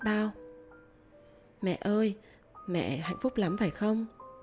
bà bảo mẹ ơi mẹ hạnh phúc lắm phải không